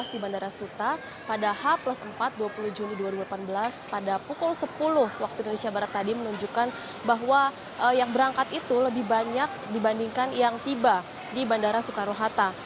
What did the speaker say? di bandara suta pada h empat dua puluh juni dua ribu delapan belas pada pukul sepuluh waktu indonesia barat tadi menunjukkan bahwa yang berangkat itu lebih banyak dibandingkan yang tiba di bandara soekarno hatta